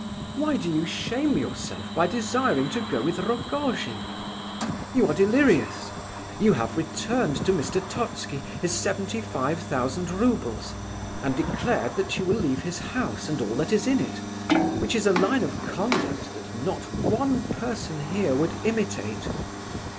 Why do you shame yourself by desiring to go with Rogojin? You are delirious. You have returned to Mr. Totski his seventy five thousand roubles, and declared that you will leave this house and all that is in it, which is a line of conduct that not one person here would imitate.